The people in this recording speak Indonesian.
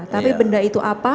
tapi benda itu apa